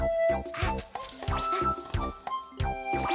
あっ！